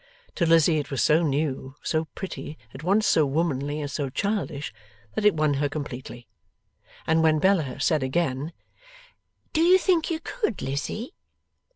To Lizzie it was so new, so pretty, at once so womanly and so childish, that it won her completely. And when Bella said again, 'Do you think you could, Lizzie?